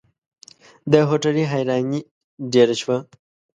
د هوټلي حيراني ډېره شوه.